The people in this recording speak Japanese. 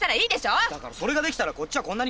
だからそれができたらこっちはこんなに苦労してないだろ。